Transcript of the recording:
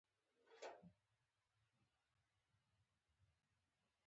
د ملا ږیره شناوۍ وه .